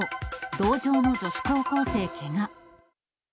同乗の女子高校生けが。